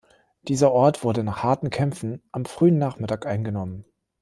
Dieser Ort wurde nach harten Kämpfen am frühen Nachmittag eingenommen.